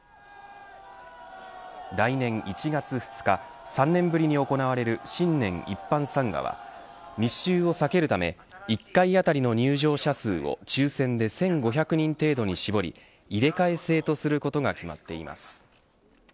来年１月２日３年ぶりに行われる新年一般参賀は密集を避けるため１回当たりの入場者数を抽選で１５００人程度に絞り入れ替え制とすることが決まっています。